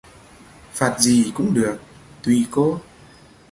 Phạt gì cũng được tùy cô